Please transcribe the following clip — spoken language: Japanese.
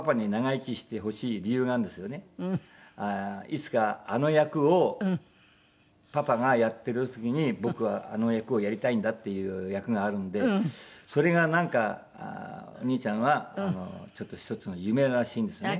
いつかあの役を「パパがやってる時に僕はあの役をやりたいんだ」っていう役があるのでそれがなんかお兄ちゃんはちょっと１つの夢らしいんですね。